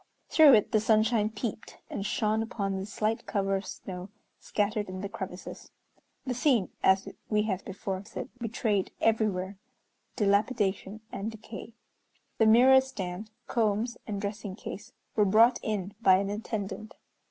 Through it the sunshine peeped, and shone upon the slight cover of snow scattered in the crevices. The scene, as we have before said, betrayed everywhere dilapidation and decay. The mirror stand, combs, and dressing case were brought in by an attendant.